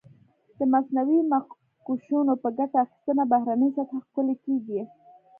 د مصنوعي مخکشونو په ګټه اخیستنه بهرنۍ سطحه ښکلې کېږي.